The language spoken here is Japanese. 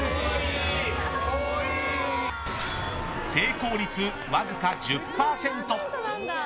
成功率わずか１０％。